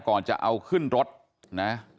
ก่อนจะเอาขึ้นรถนะ